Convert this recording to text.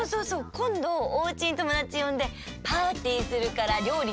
こんどおうちにともだちよんでパーティーするから料理